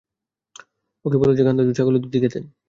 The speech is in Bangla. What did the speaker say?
ওকে বলো যে গান্ধিজীও ছাগলের দুধই খেতেন।